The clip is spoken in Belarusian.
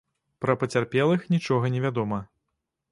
Пра пацярпелых нічога не вядома.